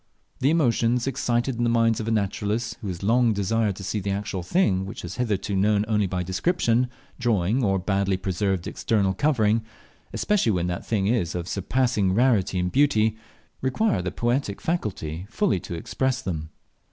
The emotions excited in the minds of a naturalist, who has long desired to see the actual thing which he has hitherto known only by description, drawing, or badly preserved external covering especially when that thing is of surpassing rarity and beauty, require the poetic faculty fully to express them.